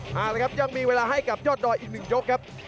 หากยังมีเวลาให้กับยอดดอยอีกหนึ่งยกครับ